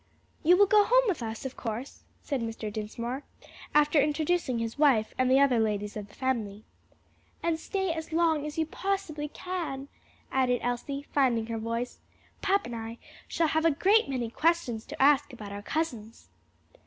"You will go home with us, of course," said Mr. Dinsmore, after introducing his wife and the other ladies of the family. "And stay as long as you possibly can," added Elsie, finding her voice. "Papa and I shall have a great many questions to ask about our cousins."